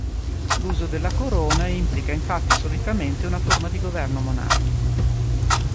L'uso della corona implica infatti solitamente una forma di governo monarchico.